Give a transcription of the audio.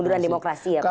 kemuduran demokrasi ya pak